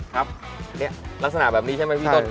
ครับลักษณะแบบนี้ใช่ไหมพี่ต้น